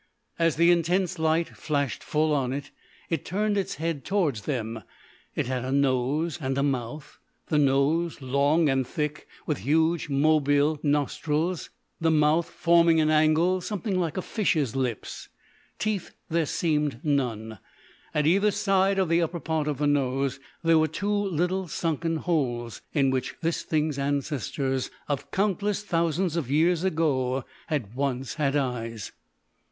As the intense light flashed full on it, it turned its head towards them. It had a nose and a mouth the nose, long and thick, with huge mobile nostrils; the mouth forming an angle something like a fish's lips. Teeth there seemed none. At either side of the upper part of the nose there were two little sunken holes in which this thing's ancestors of countless thousands of years ago had once had eyes.